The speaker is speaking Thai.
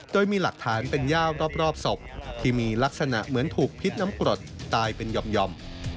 โดยมีหลักฐานเป็นย่ารอบศพที่มีลักษณะเหมือนถูกพิษน้ำกรดตายเป็นหย่อม